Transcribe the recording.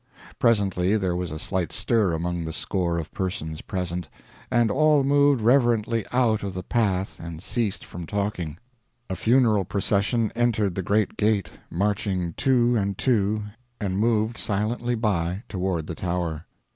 Presently there was a slight stir among the score of persons present, and all moved reverently out of the path and ceased from talking. A funeral procession entered the great gate, marching two and two, and moved silently by, toward the Tower.